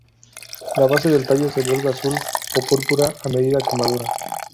La base del tallo se vuelve azul o púrpura a medida que madura.